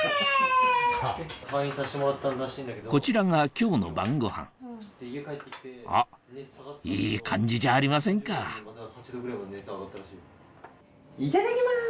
こちらが今日の晩ごはんあっいい感じじゃありませんかいただきます。